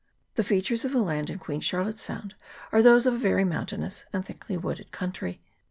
The features of the land in Queen Charlotte's Sound are those of a very mountainous and thickly wooded country.